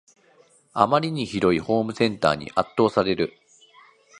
あまりに広いホームセンターに圧倒される